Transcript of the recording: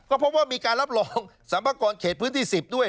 ก็พบว่ามีการรับรองสรรพากรเขตพื้นที่๑๐ด้วย